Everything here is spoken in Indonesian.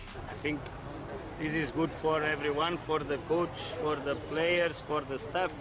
saya pikir ini baik untuk semua untuk pemain para pemain para staf